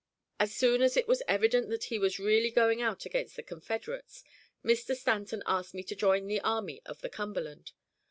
As soon as it was evident that he was really going out against the Confederates, Mr. Stanton asked me to join the Army of the Cumberland.